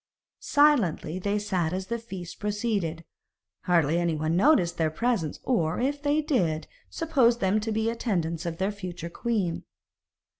Silently they sat as the feast proceeded; hardly anyone noticed their presence, or, if they did, supposed them to be attendants of their future queen.